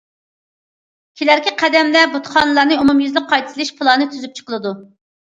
كېلەركى قەدەمدە بۇتخانىلارنى ئومۇميۈزلۈك قايتا سېلىش پىلانى تۈزۈپ چىقىلىدۇ.